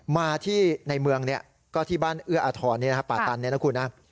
มาที่ในเมืองเนี้ยก็ที่บ้านเอื้ออาทรเนี้ยนะฮะป่าตันเนี้ยนะคุณนะ